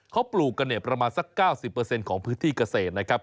เขาปลูกกันเนี่ยประมาณสัก๙๐ของพื้นที่เกษตรนะครับ